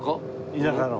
田舎の。